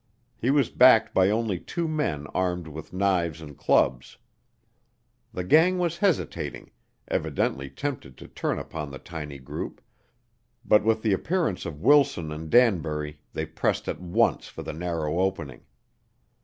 He was backed by only two men armed with knives and clubs. The gang was hesitating, evidently tempted to turn upon the tiny group, but with the appearance of Wilson and Danbury they pressed at once for the narrow opening.